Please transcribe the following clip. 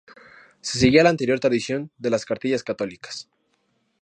Se seguía la anterior tradición de las cartillas católicas.